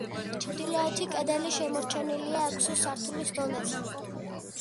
ჩრდილოეთი კედელი შემორჩენილია ექვსი სართულის დონეზე.